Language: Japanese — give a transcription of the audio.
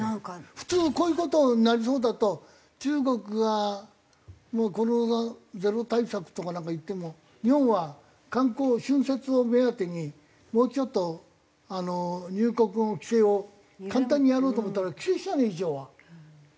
普通こういう事になりそうだと中国がもうコロナゼロ対策とかなんかいっても日本は観光春節を目当てにもうちょっと入国の規制を簡単にやろうと思ったら規制しちゃう。